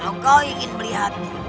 kalau kau ingin melihatnya